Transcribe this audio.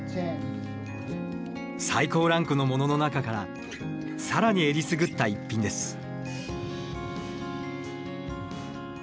最高ランクのものの中から更にえりすぐった逸品です。